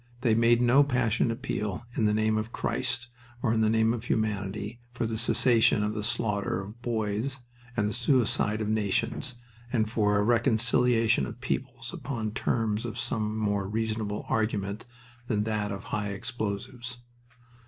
They made no passionate appeal in the name of Christ or in the name of humanity for the cessation of the slaughter of boys and the suicide of nations and for a reconciliation of peoples upon terms of some more reasonable argument than that of high explosives.